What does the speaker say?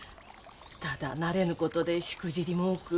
ただ慣れぬ事でしくじりも多く。